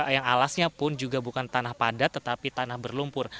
yang alasnya pun juga bukan tanah padat tetapi tanah berlumpur